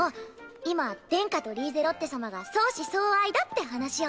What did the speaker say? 今殿下とリーゼロッテ様が相思相愛だって話を。